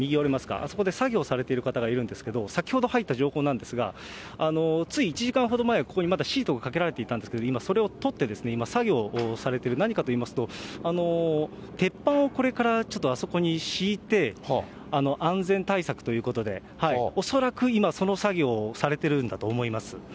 あそこで作業されてる方、いるんですけれども、先ほど入った情報なんですが、つい１時間ほど前、ここにシートがかけられていたんですけれども、今、それを取って、今、作業をされている、何かといいますと、鉄板をこれからちょっとあそこに敷いて、安全対策ということで、恐らく今、その作業をされているんだと思います。